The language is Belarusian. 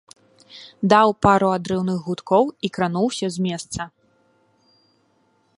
Даў пару адрыўных гудкоў і крануўся з месца.